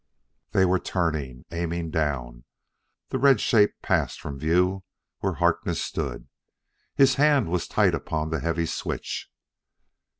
They were turning; aiming down. The red shape passed from view where Harkness stood. His hand was tight upon the heavy switch.